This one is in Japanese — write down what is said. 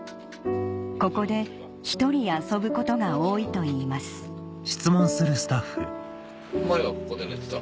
ここでひとり遊ぶことが多いといいます前はここで寝てた？